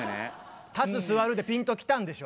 立つ座るでぴんときたんでしょ？